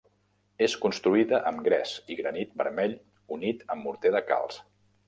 És construïda amb gres i granit vermell unit amb morter de calç.